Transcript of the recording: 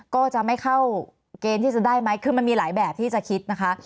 ก็จะไม่เข้าเกณฑ์ที่จะได้ไหมคือมันมีหลายแบบที่จะคิดนะคะ